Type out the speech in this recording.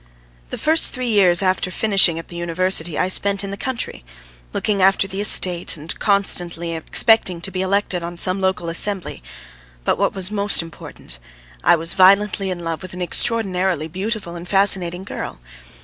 The first three years after finishing at the university I spent in the country, looking after the estate and constantly expecting to be elected on some local assembly; but what was most important, I was violently in love with an extraordinarily beautiful and fascinating girl.